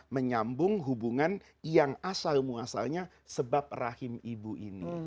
menyambung hubungan yang asal muasalnya sebab rahim ibu ini